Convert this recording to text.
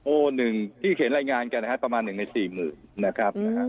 หนึ่งที่เขียนรายงานกันนะครับประมาณ๑ในสี่หมื่นนะครับ